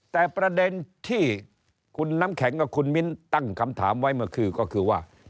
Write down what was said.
แต่ประเด็นที่คุณน้ำแข็งกับคุณมิ้นตั้งคำถามไว้เมื่อคืนก็คือว่า